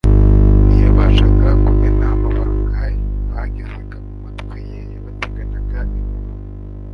Ntiyabashaga kumena amabanga bagezaga mu matwi Ye yabateganaga impuhwe.